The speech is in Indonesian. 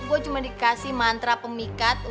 gue cuma dikasih mantra pemikat